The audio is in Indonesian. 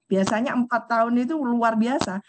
biasanya empat tahun itu luar biasa